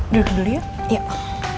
duduk dulu ya